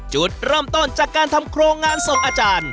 จุดเริ่มต้นจากการทำโครงงานส่งอาจารย์